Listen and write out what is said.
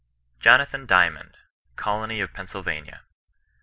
JONATHAN DYMOND— COLONY OP PENNSYLVANIA.